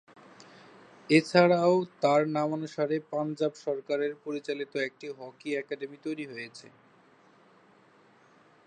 এছাড়াও তার নামানুসারে পাঞ্জাব সরকারের পরিচালিত একটি হকি একাডেমী তৈরি হয়েছে।